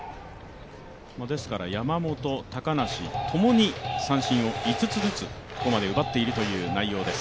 山本、高梨ともに三振を５つずつここまで奪っているという内容です。